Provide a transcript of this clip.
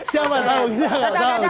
siapa tau siapa tau